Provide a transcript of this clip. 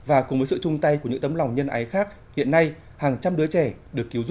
à tự đi con tự đi